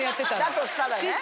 だとしたらね。